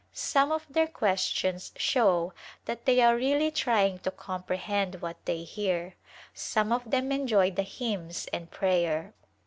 Some of their questions show that they are really trying to compre hend what they hear. Some of them enjoy the hymns and prayer.